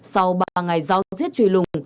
sau ba ngày giao giết trùy lùng